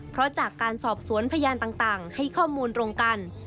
เพราะจากการสอบสวนพยานต่างให้ข้อมูลตรงกัน